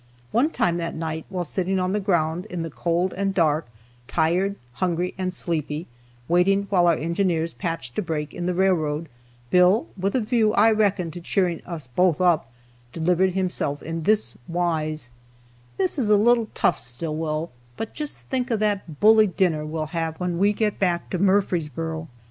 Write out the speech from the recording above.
One time that night, while sitting on the ground, in the cold and dark, tired, hungry, and sleepy, waiting while our engineers patched a break in the railroad, Bill, with a view, I reckon, to cheering us both up, delivered himself in this wise: "This is a little tough, Stillwell, but just think of that bully dinner we'll have when we get to Murfreesboro!